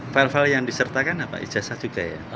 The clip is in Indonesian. file file yang disertakan apa ijazah juga ya